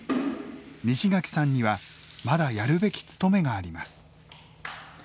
西垣さんにはまだやるべき勤めがあります。